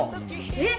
えっ！？